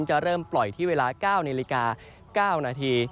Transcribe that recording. จะเริ่มปล่อยที่เวลา๙นาฬิกา๙นาที